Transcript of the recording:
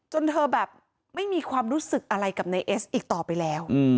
เธอแบบไม่มีความรู้สึกอะไรกับนายเอสอีกต่อไปแล้ว